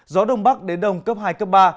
gió đông bắc đến đông cấp hai cấp ba